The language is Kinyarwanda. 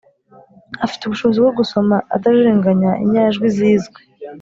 – afite ubushobozi bwo gusoma atajijinganya inyajwi zizwe